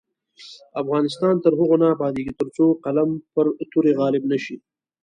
افغانستان تر هغو نه ابادیږي، ترڅو قلم پر تورې غالب نشي.